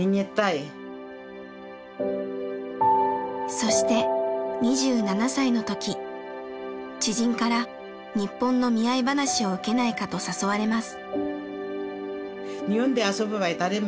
そして２７歳の時知人から日本の見合い話を受けないかと誘われます。